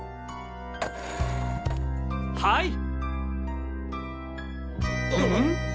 はい！